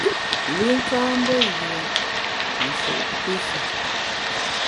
Li ka mbe yùen, nshut pishe.